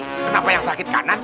kenapa yang sakit kanan